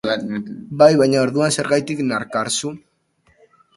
Bai, baina orduan... zergatik nakarzu?